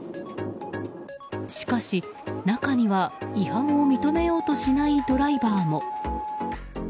しかし中には、違反を認めようとしないドライバーも。